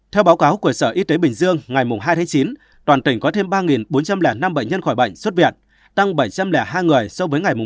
theo báo cáo của sở y tế bình dương ngày hai tháng chín toàn tỉnh có thêm ba bốn trăm linh năm bệnh nhân khỏi bệnh xuất viện tăng bảy trăm linh hai người so với ngày một mươi